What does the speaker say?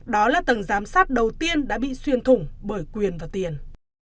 đó là tầng giám sát đầu tiên đã bị xuyên thủng bởi quyền và tiền